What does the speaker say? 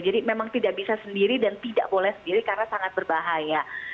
jadi memang tidak bisa sendiri dan tidak boleh sendiri karena sangat berbahaya